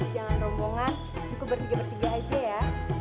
jangan rombongan cukup bertiga bertiga aja ya